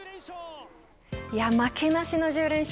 負けなしの１０連勝